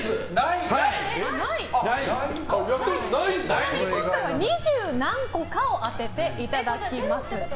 ちなみに今回は二十何個かを当てていただきます。